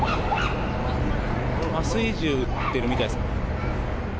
麻酔銃を撃ってるみたいですね。